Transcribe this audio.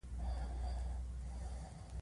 که چنې ورسره ووهې نرخونه نیمایي ته راښکته کوي.